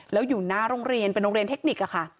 แล้วอยู่หน้าโรงเรียนเป็นโรงเรียนเทคนิค